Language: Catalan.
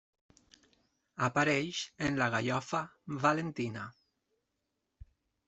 Apareix en la gallofa valentina.